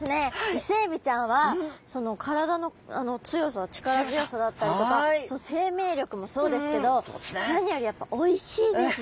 イセエビちゃんはその体の強さ力強さだったりとかその生命力もそうですけど何よりやっぱおいしいですし。